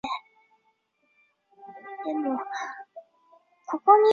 中央军委科学技术委员会新设中央军委科学技术委员会科技战略局。